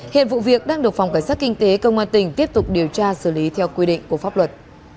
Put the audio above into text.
hiện vụ việc đang được phòng cảnh sát kinh tế công an tỉnh tiếp tục điều tra xử lý theo quy định của pháp luật